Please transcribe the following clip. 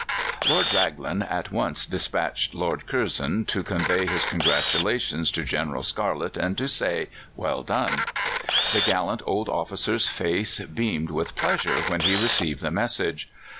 Lord Raglan at once despatched Lord Curzon to convey his congratulations to General Scarlett, and to say "Well done!" The gallant old officer's face beamed with pleasure when he received the message.